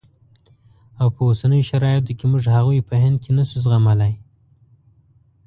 او په اوسنیو شرایطو کې موږ هغوی په هند کې نه شو زغملای.